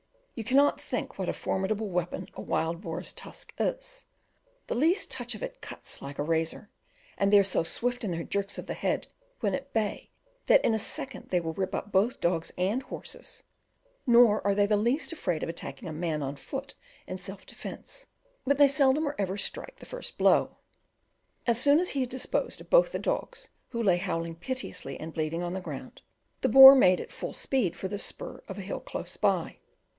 You cannot think what a formidable weapon a wild boar's tusk is the least touch of it cuts like a razor; and they are so swift in their jerks of the head when at bay that in a second they will rip up both dogs and horses: nor are they the least afraid of attacking a man on foot in self defence; but they seldom or ever strike the first blow. As soon as he had disposed of both the dogs, who lay howling piteously and bleeding on the ground, the boar made at full speed for the spur of a hill close by.